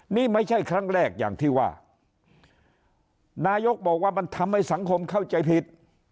นี่ไม่ใช่ครั้งแรกอย่างที่ว่านายกบอกว่ามันทำให้สังคมเข้าใจผิด